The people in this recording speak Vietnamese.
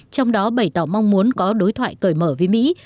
trong đó bày tỏ mong muốn có đối thoại cởi mở với mỹ